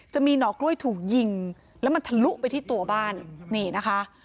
หน่อกล้วยถูกยิงแล้วมันทะลุไปที่ตัวบ้านนี่นะคะ